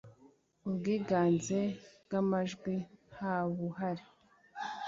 ubwiganze bwamajwi ntabuhari.